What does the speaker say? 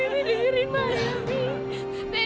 dia masih pulang kok bibi